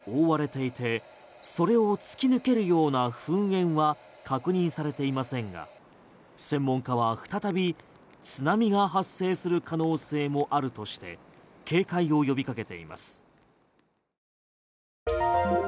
衛星による観測では震源付近は雲に覆われていてそれを突き抜けるような噴煙は確認されていませんが、専門家は再び津波が発生する可能性もあるとして警戒を呼びかけています。